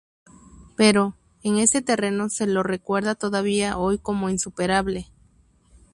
Pero, en este terreno, se lo recuerda todavía hoy como insuperable.